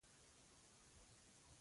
غږ د ملتونو غږ دی